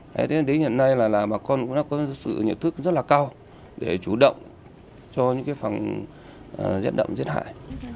thế thì đến hiện nay là bà con cũng đã có sự nhận thức rất là cao để chủ động cho những cái phòng giết đậm giết hại